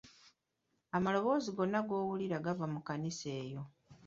Amaloboozi gonna g'owulira gava mu kkanisa eyo.